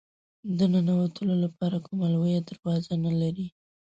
د ننوتلو لپاره کومه لویه دروازه نه لري.